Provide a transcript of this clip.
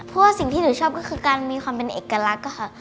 เพราะว่าสิ่งที่หนูชอบก็คือการมีความเป็นเอกลักษณ์ค่ะ